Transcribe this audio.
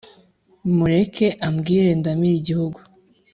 Mureke ambwire ndamire igihugu